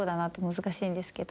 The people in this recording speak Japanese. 難しいですけど。